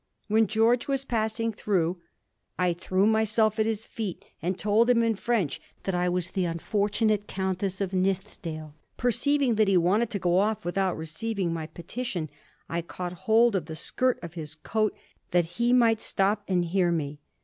When George was passing through * I threw myself at his feet, and told him in French that I was the unfortunate Countess of Nithisdale Perceiving that he wanted to go off without receiving my petition, I caught hold of the skirt of his coat that he might stop and hear me.